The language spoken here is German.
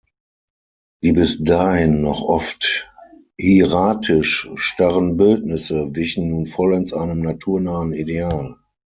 Die bis dahin noch oft hieratisch-starren Bildnisse wichen nun vollends einem naturnahen Ideal.